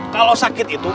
kalau sakit itu